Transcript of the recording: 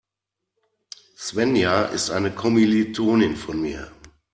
Svenja ist eine Kommilitonin von mir.